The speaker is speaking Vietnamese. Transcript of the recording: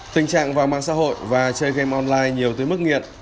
tình trạng vào mạng xã hội và chơi game online nhiều tới mức nghiện